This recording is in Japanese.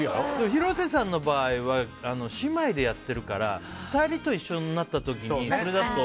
広瀬さんの場合は姉妹でやってるから２人と一緒になった時にそれだと。